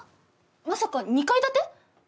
まさか２階建て？